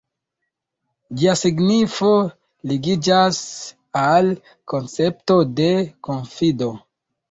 Ĝia signifo ligiĝas al koncepto de konfido.